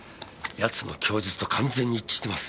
奴の供述と完全に一致してます。